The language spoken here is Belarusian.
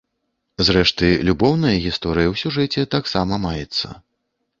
Зрэшты, любоўная гісторыя ў сюжэце таксама маецца.